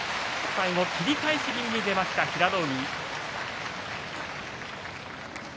最後は切り返し気味に出ました平戸海。